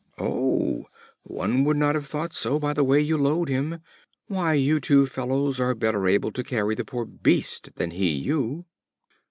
"Oh! One would not have thought so by the way you load him. Why, you two fellows are better able to carry the poor beast than he you!"